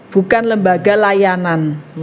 bukan lembaga layanan